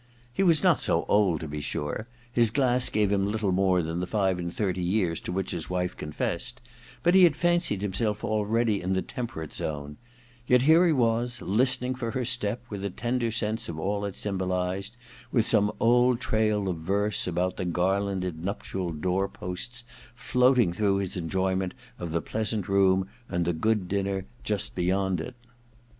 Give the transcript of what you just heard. He was not so old, to be sure — ^his glass gave him little more than the five and thirty years to which his wife confessed — but he had fancied himself already in the temperate zone ; yet here he was listening for her step with a tender sense of all it symbolized, with some old trail of verse about the garlanded nuptial door posts floating through his enjoy ment of the pleasant room and the good dinner just beyond it.